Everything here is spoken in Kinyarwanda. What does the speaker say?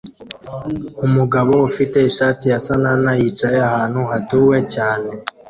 Umugabo ufite ishati ya SANTANA yicaye ahantu hatuwe cyane